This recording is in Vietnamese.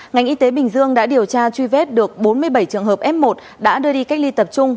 ngành y tế bình dương đã điều tra truy vết được bốn mươi bảy trường hợp f một đã đưa đi cách ly tập trung